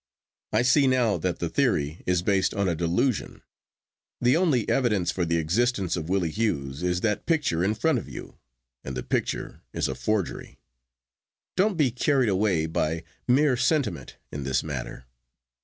I see now that the theory is based on a delusion. The only evidence for the existence of Willie Hughes is that picture in front of you, and the picture is a forgery. Don't be carried away by mere sentiment in this matter.